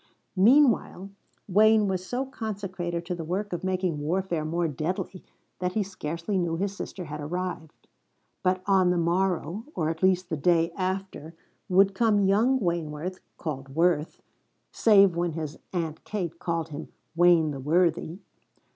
Meanwhile Wayne was so consecrated to the work of making warfare more deadly that he scarcely knew his sister had arrived. But on the morrow, or at least the day after, would come young Wayneworth, called Worth, save when his Aunt Kate called him Wayne the Worthy.